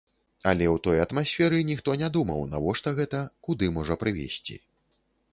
Але ў той атмасферы ніхто не думаў, навошта гэта, куды можа прывесці.